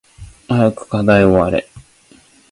早く課題終われ